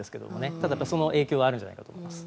ただ、その影響はあるんじゃないかと思います。